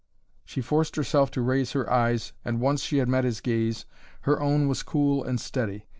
She forced herself to raise her eyes and, once she had met his gaze, her own was cool and steady.